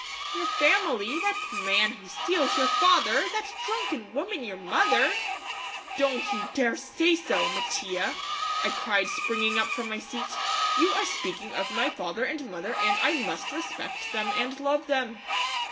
"Your family! That man who steals, your father! That drunken woman your mother!" "Don't you dare say so, Mattia," I cried, springing up from my seat; "you are speaking of my father and mother and I must respect them and love them."